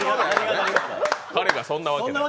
彼がそんなわけない。